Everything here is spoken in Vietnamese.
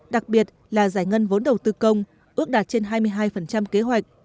đặc biệt là giải ngân vốn đầu tư công ước đạt trên hai mươi hai kế hoạch